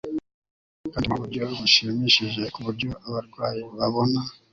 kandi mu buryo bushimishije ku buryo abarwayi babona